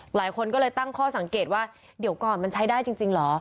หลายคนก็เลยตั้งข้อสังเกตว่าเดี๋ยวก่อนมันใช้ได้จริงเหรอ